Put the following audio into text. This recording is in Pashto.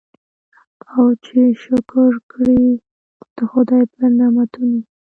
او چي شکر کړي د خدای پر نعمتونو